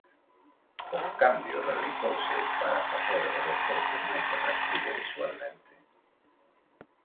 O cambio realizouse para facer ó deporte máis atractivo visualmente.